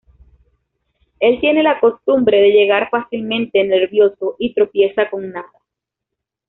Él tiene la costumbre de llegar fácilmente nervioso y tropieza con nada.